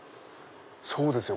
そうですよ